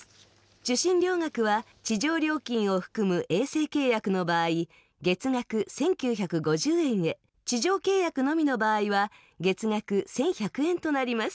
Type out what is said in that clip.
受信料額は地上料金を含む衛星契約の場合、月額１９５０円へ、地上契約のみの場合は月額１１００円となります。